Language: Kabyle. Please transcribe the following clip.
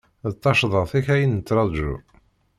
D tacḍaṭ-ik ay nettraǧu.